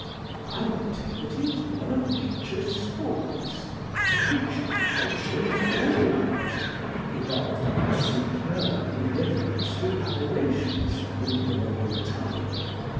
I maintain that he is one of nature's sports, a creature healthy and well organised, evolved in her superb indifference to aberrations from the normal type.